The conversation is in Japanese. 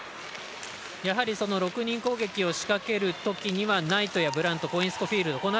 ６人攻撃を仕掛けるときにナイトやブラントコインスコーフィールド